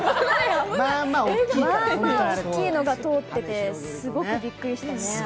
まあまあ大きいのが通っててすごくびっくりしたね。